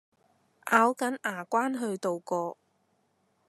咬緊牙關去渡過